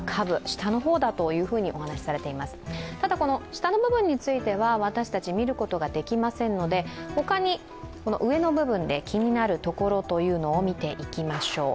下の部分については、私たち見ることができませんので他に上の部分で気になる所を見ていきましょう。